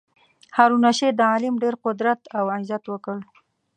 هارون الرشید د عالم ډېر قدر او عزت وکړ.